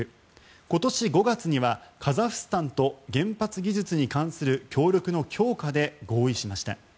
今年５月にはカザフスタンと原発技術に関する協力の強化で合意しました。